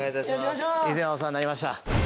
以前お世話になりました。